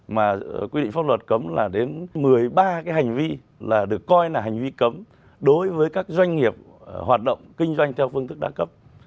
mà quy định pháp luật cấm là đến một mươi ba cái hành vi là được coi là hành vi cấm đối với các doanh nghiệp hoạt động kinh doanh theo phương thức đa cấp